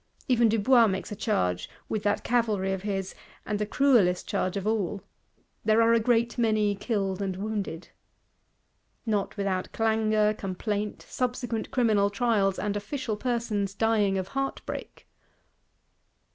Even Dubois makes a charge, with that Cavalry of his, and the cruelest charge of all: "there are a great many killed and wounded." Not without clangour, complaint; subsequent criminal trials, and official persons dying of heartbreak!